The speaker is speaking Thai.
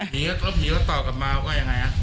หีแล้วต่อกลับมาก็ยังไง